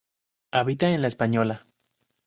Habita en La Española.